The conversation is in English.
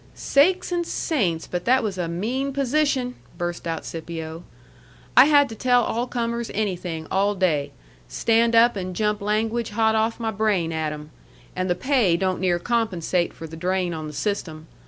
"Sakes and saints, but that was a mean position!" burst out Scipio. "I had to tell all comers anything all day. Stand up and jump language hot off my brain at 'em. And the pay don't near compensate for the drain on the system.